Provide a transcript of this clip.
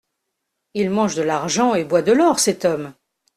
Il mange de l’argent et boit de l’or, cet homme !